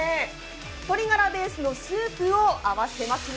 鶏ガラベースのスープを合わせますよ。